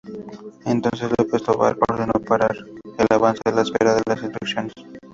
Entonces López Tovar ordenó parar el avance a la espera de instrucciones.